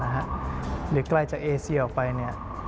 หรือไกลจากเอเซียออกไป